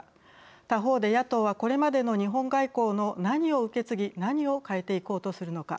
他方で野党はこれまでの日本外交の何を受け継ぎ何を変えていこうとするのか。